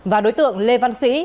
và đối tượng lê văn sĩ